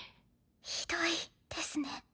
ひどいですね。